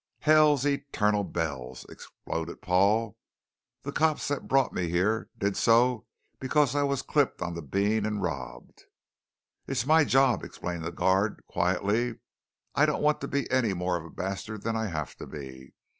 "Hell's Eternal Bells!" exploded Paul. "The cops that brought me here did so because I was clipped on the bean and robbed." "It's my job," explained the guard quietly. "I don't want to be any more of a bastard than I have to be.